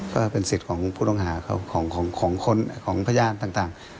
ก็เป็นสิทธิ์ของผู้ต้องหาเขาของพยานต่าง